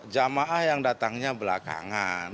jamaah yang datangnya belakangan